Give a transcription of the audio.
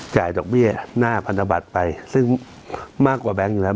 ดอกเบี้ยหน้าพันธบัตรไปซึ่งมากกว่าแบงค์อยู่แล้ว